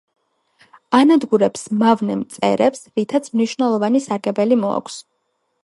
ანადგურებს მავნე მწერებს, რითაც მნიშვნელოვანი სარგებლობა მოაქვს.